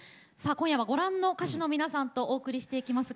今夜はご覧の歌手の皆さんとお送りします。